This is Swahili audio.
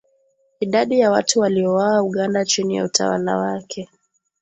Idadi ya watu waliouawa Uganda chini ya utawala wake